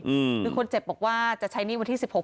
หรือคนเจ็บบอกว่าจะใช้หนี้วันที่สิบหก